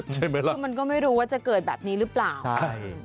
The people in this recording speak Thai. ใช่ไหมล่ะคือมันก็ไม่รู้ว่าจะเกิดแบบนี้หรือเปล่าใช่